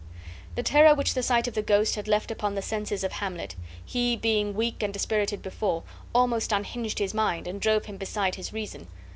The terror which the sight of the ghost had left upon the senses of Hamlet, he being weak and dispirited before, almost unhinged his mind and drove him beside his reason.